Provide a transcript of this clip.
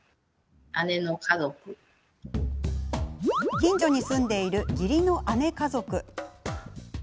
近所に住んでいる義理の姉家族。